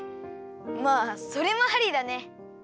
まあそれもありだね。